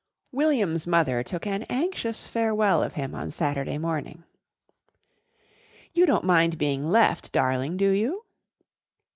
William's mother took an anxious farewell of him on Saturday morning. "You don't mind being left, darling, do you?"